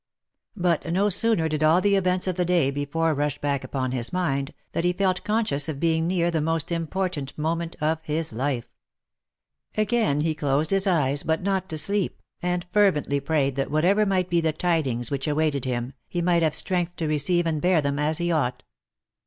But no sooner did all the events of the day before rush back upon his mind, Y 322 THE LIFE AND ADVENTURES than he felt conscious of being near the most important moment of his life. Again he closed his eyes, but not to sleep, and fervently prayed that whatever might be the tidings which awaited him, he might have strength to receive and bear them as he ought.